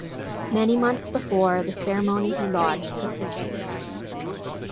Many months before the ceremony he lodged with the king.